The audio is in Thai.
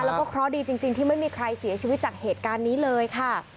แล้วก็เคราะห์ดีจริงที่ไม่มีใครเสียชีวิตจากเหตุการณ์นี้เลยค่ะ